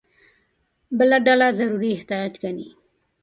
بله ډله ضروري احتیاج ګڼي.